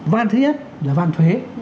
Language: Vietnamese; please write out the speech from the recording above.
van thứ nhất là van thuế